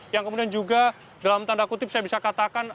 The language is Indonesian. yang kemudian juga dalam tanda kutip saya bisa katakan